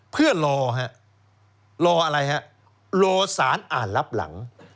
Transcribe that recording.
เพื่อรอฮะรออะไรฮะรอสารอ่านรับหลัง